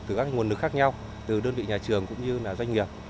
từ các nguồn lực khác nhau từ đơn vị nhà trường cũng như doanh nghiệp